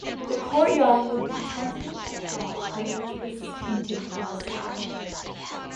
The courtyard would be tented by cloth on which was painted a sky.